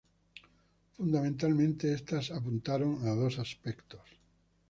Fundamentalmente, estas apuntaron a dos aspectos.